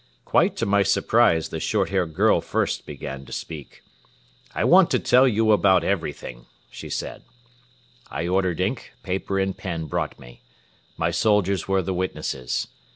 Quite to my surprise the short haired girl first began to speak. "'I want to tell you about everything,' she said. "I ordered ink, paper and pen brought me. My soldiers were the witnesses.